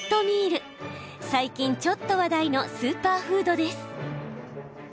最近ちょっと話題のスーパーフードです。